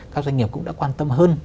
các doanh nghiệp cũng đã quan tâm hơn